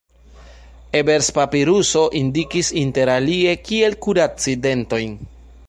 Ebers-papiruso indikis interalie kiel kuraci dentojn.